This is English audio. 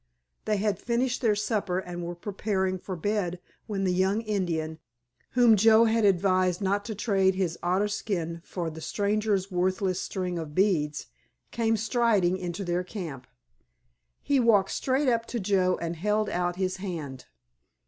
They had finished their supper and were preparing for bed when the young Indian, whom Joe had advised not to trade his otter skin for the stranger's worthless string of beads, came striding into their camp. He walked straight up to Joe and held out his hand.